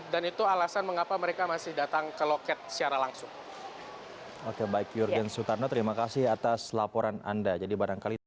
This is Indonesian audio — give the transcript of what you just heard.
dan itu alasan mengapa mereka masih datang ke loket secara langsung